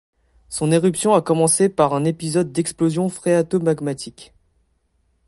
Son éruption a commencé par un épisode d'explosions phréato-magmatiques.